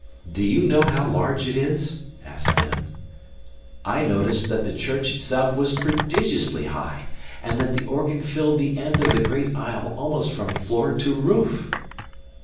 "Do you know how large it is?" asked Ben. "I noticed that the church itself was prodigiously high and that the organ filled the end of the great aisle almost from floor to roof."